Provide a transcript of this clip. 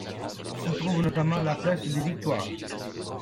S'y trouve notamment la place des Victoires.